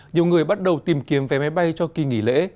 nhiều người bắt đầu tìm kiếm vé máy bay cho kỳ nghỉ lễ